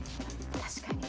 確かに。